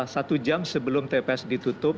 satu jam sebelum tps ditutup